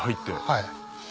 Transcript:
はい。